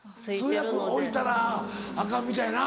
通訳置いたらアカンみたいやな。